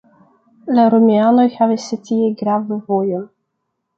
La romianoj havis tie gravan vojon.